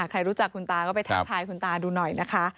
ใครรู้จักคุณตาก็ไปทักทายคุณตาดูหน่อยนะคะ